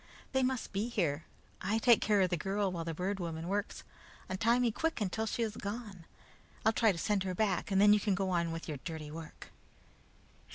They must be here. I take care of the girl while the Bird Woman works. Untie me quick until she is gone. I'll try to send her back, and then you can go on with your dirty work."